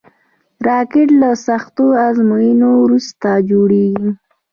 راکټ له سختو ازموینو وروسته جوړېږي